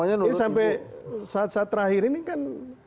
ini sampai saat saat terakhir ini kan